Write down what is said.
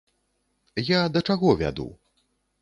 Я да чаго вяду.